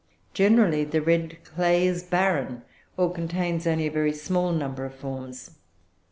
Generally the red clay is barren, or contains only a very small number of forms."